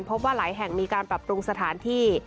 พบว่าหลายแห่งมีการปรับปรุงสถานที่